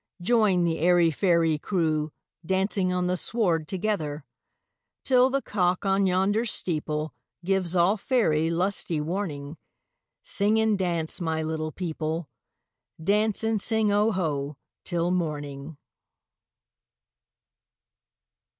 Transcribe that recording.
Join the airy fairy crewDancing on the sward together! Till the cock on yonder steepleGives all faery lusty warning, Sing and dance, my little people,—Dance and sing "Oho" till morning!